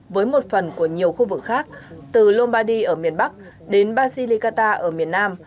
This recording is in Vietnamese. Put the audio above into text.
với một phần của nhiều khu vực khác từ lombardy ở miền bắc đến basilicata ở miền nam